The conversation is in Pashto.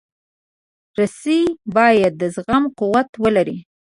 رسۍ باید د زغم قوت ولري.